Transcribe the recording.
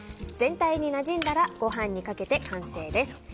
全体になじんだらご飯にかけて完成です。